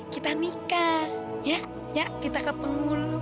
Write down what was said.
kita nikah ya ya kita kepenggulu